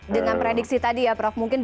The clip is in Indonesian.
dengan prediksi tadi ya prof mungkin